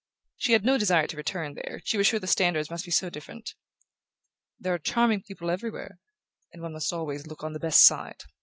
She had no desire to return there she was sure the standards must be so different. "There are charming people everywhere ... and one must always look on the best side ...